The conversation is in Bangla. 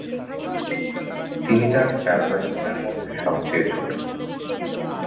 তিনি তার চার ভাই বোনের মধ্যে সবচেয়ে ছোট।